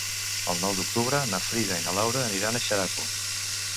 El nou d'octubre na Frida i na Laura aniran a Xeraco.